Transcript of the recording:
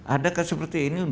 adakah seperti ini